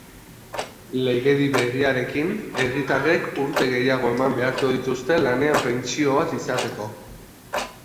Legedi berriarekin, herritarrek urte gehiago eman beharko dituzte lanean pentsio bat izateko.